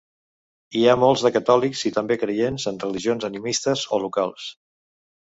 Hi ha molts de catòlics i també creients en religions animistes o locals.